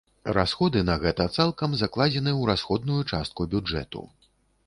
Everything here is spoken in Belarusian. Расходы на гэта цалкам закладзены ў расходную частку бюджэту.